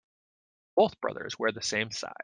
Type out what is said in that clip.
Both brothers wear the same size.